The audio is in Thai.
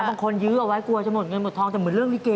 ยื้อเอาไว้กลัวจะหมดเงินหมดทองแต่เหมือนเรื่องลิเก